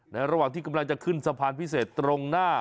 ระหว่างที่กำลังจะขึ้นสะพานพิเศษตรงหน้า